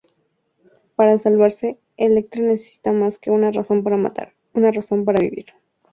Para salvarse, Elektra necesita más que una razón para matar... una razón para vivir.